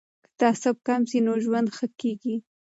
که تعصب کم سي نو ژوند ښه کیږي.